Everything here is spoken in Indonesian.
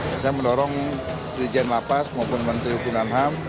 saya mendorong rijen lapas maupun menteri upinan ham